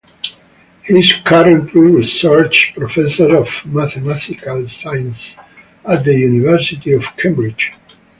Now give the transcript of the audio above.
He is currently Research Professor of Mathematical Sciences at the University of Cambridge.